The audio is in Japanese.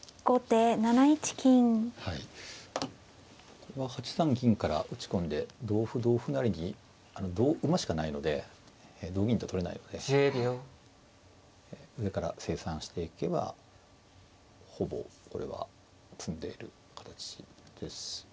これは８三銀から打ち込んで同歩同歩成に同馬しかないので同銀と取れないので上から清算していけばほぼこれは詰んでいる形ですね。